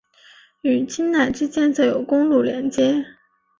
与钦奈之间则有公路连接。